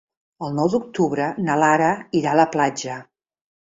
El nou d'octubre na Lara irà a la platja.